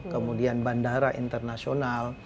kemudian bandara internasional